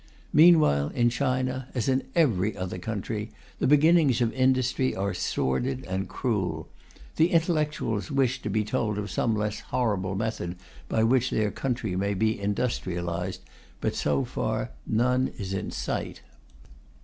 Meanwhile, in China, as in every other country, the beginnings of industry are sordid and cruel. The intellectuals wish to be told of some less horrible method by which their country may be industrialized, but so far none is in sight.